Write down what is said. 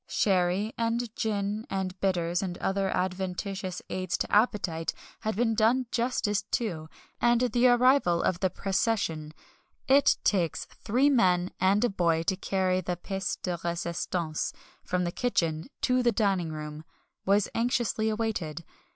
Sherry and gin and bitters and other adventitious aids (?) to appetite had been done justice to, and the arrival of the "procession" it takes three men and a boy to carry the pièce de résistance from the kitchen to the dining room was anxiously awaited.